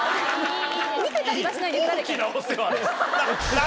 見せたりはしないです誰かに。